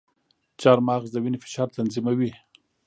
چارمغز د وینې فشار تنظیموي.